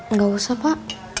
nggak usah pak